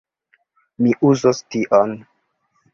Mi uzos tion.